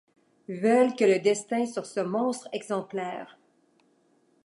Veulent que le destin sur ce monstre exemplaire